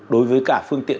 đối với cả phương tiện